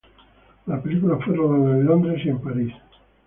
La película fue rodada en Londres y París.